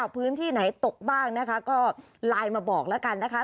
พื้นที่ไหนตกบ้างนะคะก็ไลน์มาบอกแล้วกันนะคะ